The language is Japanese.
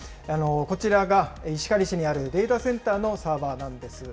こちらが石狩市にあるデータセンターのサーバーなんです。